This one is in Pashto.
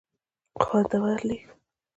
خوندور لیک